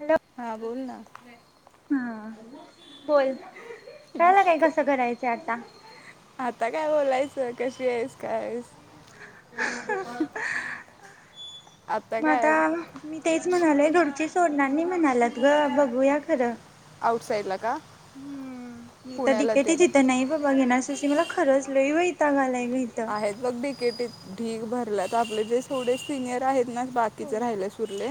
Hello हा चेहरा बोल लई ना सुजलाय हां बोल! कळाला काय कसं करायचं आता आता काय बोलाय कशी आहेस. काय आहेस [inaudible] मग आता मी तेच म्हणालोय दोन ची तोडणार नाही म्हणाल्यात ग बघूया खरं आऊट साईडला का? हुं मी त पुण्याला ते डिकेतच ईथ नाही बाबा घेणास तशी मला खरच लय वैताग आलाय ग इथं आहेत मग बिकेटीत ढीग भरल्यात आपले जे थोडे सिनियर आहेत ना हो बाकीचे राहिले सुरले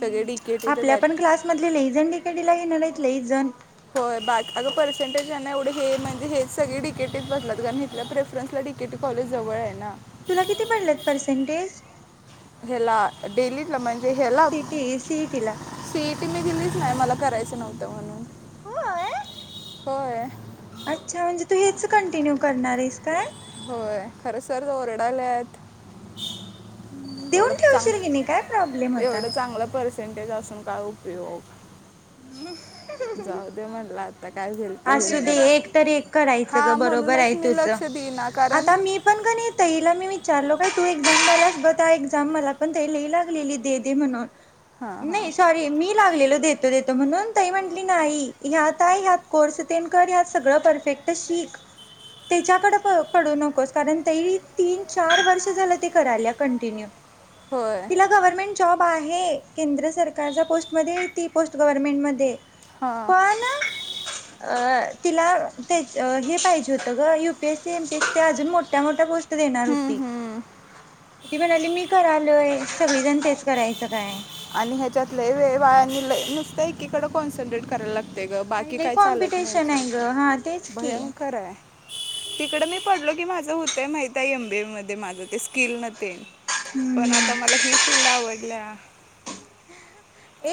सगळे डिकेटीतच आपल्या पण आहेत क्लास मधले लई जण खेडीला घेणार आहेत न लईच जण होय बा अगं पर्सेंटेज यांना एवढे हे म्हणजे हेच सगळे डीकेटीच बसलात कारण इथल्या प्रेफरन्सला डीकेटी कॉलेज जवळ आहे ना तुला किती पडलेत पर्सेंटेज? हेला डेली प्रमण ते हे ला सीटी सीईटीला सीईटी मी दिलीच नाय मला करायचं नव्हतं म्हणून होय होय अच्छा म्हणजे तू हेच कंटिन्यू करणार आहेस काय होय खरं सर ओरडाल्यात देऊन ठेवशील गी नी काय प्राॅ एवढं चांगलं परिस्थ परसेंटेज असून काय उपयोग जाऊ दे म्हणलं आता काय होईल ते होईल असू म्हणजे दे एक तर एक करायचं ग हां बरोबर म्हणूनच आहे मी तुझ लक्ष देईना कारण आता मी पण का नय ताईला मी चालो काय तू एक्साम दयायलास ब त्या एक्झाम मला पण ते लिई लागलेली दे दे म्हणून हां हां नाही सॉरी मी लागलेलं देत देतो म्हणून तई म्हटली नाही ह्यात हाय ह्यात कोर्स तेन कर ह्यात सगळं परफेक्ट शिक. त्याच्याकडे पडू नकोस कारण तई ते तीन चार वर्ष झालं ते कराल्या कंटिन्यू होय तिला गव्हर्नमेंट जॉब हाय हे केंद्र सरकारच्या पोस्टमध्ये ती पोस्ट गव्हरमेंटमध्ये ये हां पण अ तिला तेच हे पाहिजे होतं गं U P S C, M P A C अजून मोठ्या मोठ्या पोस्ट देणार हम्म होती हम्म ती म्हणाली मी करालोय सगळीजण तेच करायचं काय. आणि ह्याच्यात लय वेळ वाया आणि लय नुसत एकीकडे कॉन्सन्ट्रेट करायला लागते ग आणि बाकी लई काय चालत नाही कॉम्पिटिशन याच्यात. आहे ग हा तेच की भयंकर हाय तिकड मी पडलो की माझं होतंय माहित आहे एमबीए मध्ये माझं ते स्किल न ते- पण आता मला ही फिल्ड आवडल्या.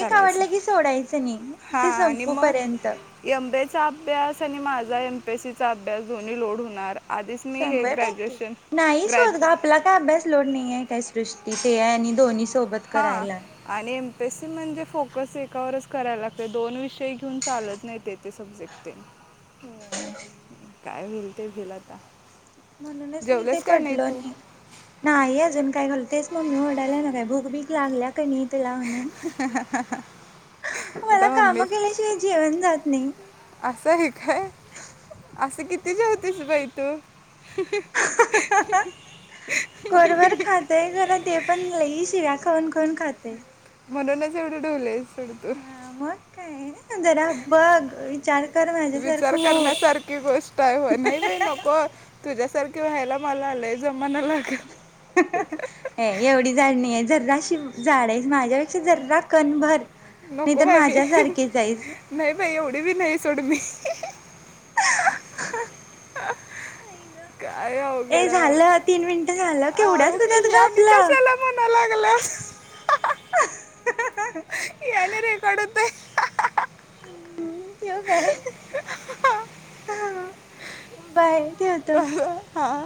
एक आवडलं कि सोडायचं नाही हां ते आणि संपू पर्यंत. मग एम बी एचा अभ्यास माझा एमपीएससीचा अभ्यास दोन्ही लोड होणार आधीच मी हे शंभर टक्के ग्रॅज्युएशन नाहीच होत गं ग्रॅज आपला काय अभ्यास लोड नाही आहे काही सृष्टी ते आणि दोन्हीं सोबत करायला.. तसे म्हणजे फोकस एकावरच करायला लागते दोन विषय घेऊन चालत नाही ते ते सब्जेक्ट ते होय. काय होईल ते होईल आता म्हणूनच मी ते जेवलंस काय नाही पडलो तू नई. नाही अजून काय घालू मम्मी वरडाय लागल्या काय भूक बीक लागल्या कणी? तिला म्हणून मला आता कामं मम्मीच केल्याशिवाय जेवण जात नाई. असं हे काय असं किती? किती जेवतीस बई तू कोरभर खातय खरं ते पण लई शिव्या खाऊन खाऊन खातोय. केवढं ठेवलंयसं हा मग? काय? जरा बघ चार विचार करण्यासारखी गोष्ट आहे होय नाही बाई नको तुझ्यासा- सारखी व्हायला मला लई जम. ऍ एवढी जाड नाहीये. जर्राशी जाड आहेस माझ्यापेक्षा जर्रा कणभर. नाही नको तर बाई, मी माझ्यासारखीच आहेस. नाही बाई एवढी बी नाहीस. सोड मी काय ए अवघड हाय झालं तीन मिनिटं झालं बाबा केवढ्याच आओ की होत्यात हे ग आणि आपलं. कशाला म्हणाल्यास गलास [inaudible] याने रेकॉर्ड होतंय हम्म ठेवू काय? हां बाय. ठेवतो. हां